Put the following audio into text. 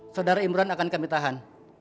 saudara imran akan kami tahan